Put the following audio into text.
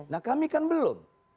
nah kami kan belum